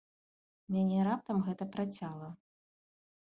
Мяне раптам гэта працяла.